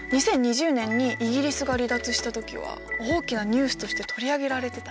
２０２０年にイギリスが離脱した時は大きなニュースとして取り上げられてたな。